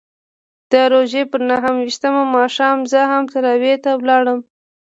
د روژې پر نهه ویشتم ماښام زه هم تراویحو ته ولاړم.